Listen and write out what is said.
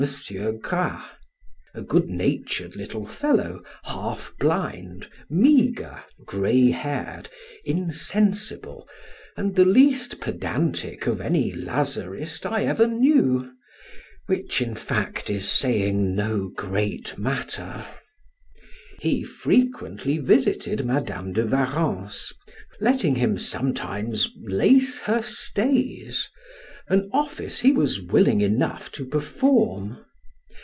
Gras, a good natured little fellow, half blind, meagre, gray haired, insensible, and the least pedantic of any Lazarist I ever knew; which, in fact, is saying no great matter. He frequently visited Madam de Warrens, who entertained, caressed, and made much of him, letting him sometimes lace her stays, an office he was willing enough to perform.